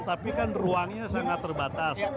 tapi kan ruangnya sangat terbatas